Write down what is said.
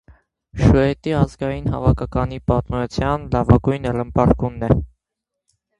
Շուէտի ազգային հաւաքականի պատմութեան լաւագոյն ռմբարկուն է։